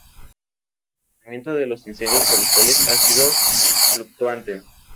El comportamiento de los incendios forestales ha sido fluctuante.